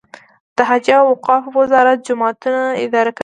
د حج او اوقافو وزارت جوماتونه اداره کوي